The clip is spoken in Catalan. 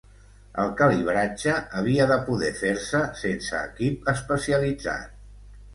El calibratge havia de poder fer-se sense equip especialitzat.